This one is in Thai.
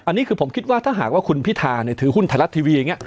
อันนี้คือผมคิดว่าถ้าหากว่าคุณพิธาถือหุ้นไทยรัฐทีวีอย่างนี้